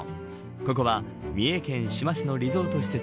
ここは、三重県志摩市のリゾート施設